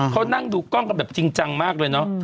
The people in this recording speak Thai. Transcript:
เขานั่งดูกล้องกันแบบจริงจังมากเลยเนอะ